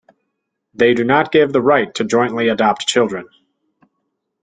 They do not give the right to jointly adopt children.